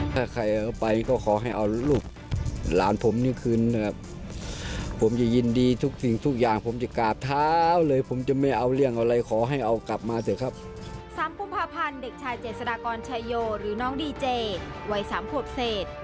สำคุมภาพันธ์เด็กชายเจศรกรชายโยหรือน้องดีเจย์วัยสามขวบเศษ